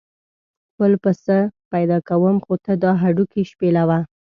بل پسه پیدا کوم خو ته دا هډوکي شپېلوه.